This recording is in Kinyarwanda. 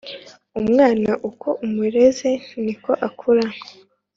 Umwana uko umureze niko akunera